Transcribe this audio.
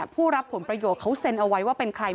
ผู้รับผลประโยชน์เขาเซ็นเอาไว้ว่าเป็นใคร